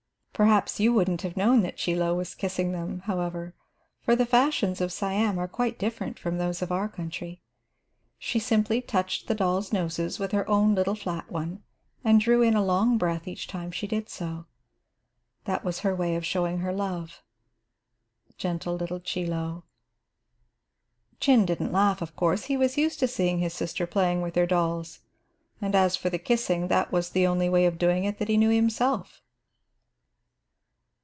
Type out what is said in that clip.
Perhaps you wouldn't have known that Chie Lo was kissing them, however, for the fashions of Siam are quite different from those of our country. She simply touched the dolls' noses with her own little flat one and drew in a long breath each time she did so. That was her way of showing her love, gentle little Chie Lo. Chin didn't laugh, of course. He was used to seeing his sister playing with her dolls, and as for the kissing, that was the only way of doing it that he knew himself.